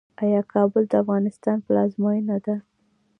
آیا کابل د افغانستان پلازمینه ده؟